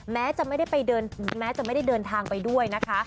แม้จะไม่ได้เดินทางไปด้วยนะคะ